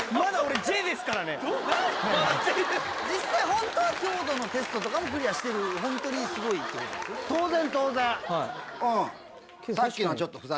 実際ホントは強度のテストとかもクリアしてるホントにすごいやつですよね？